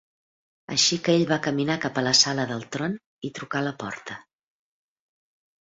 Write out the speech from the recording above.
Així que ell va caminar cap a la sala del tron i trucà a la porta.